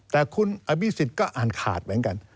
แต่คุณอภิษฎก็อ่านขาดเหมือนกัน